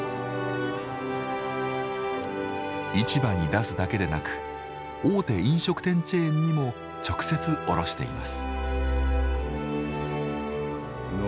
市場に出すだけでなく大手飲食店チェーンにも直接卸しています。